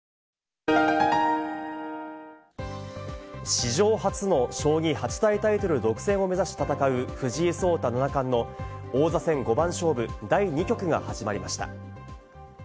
史上初の将棋八大タイトル独占を目指し戦う、藤井聡太七冠の王座戦五番勝負第２局が始まりました。